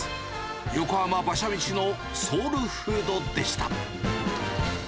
横浜・馬車道のソウルフードでした。